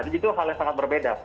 itu hal yang sangat berbeda